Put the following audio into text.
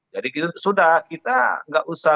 jadi sudah kita nggak usah